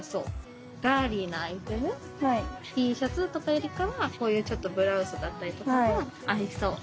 Ｔシャツとかよりかはこういうちょっとブラウスだったりとかは合いそう。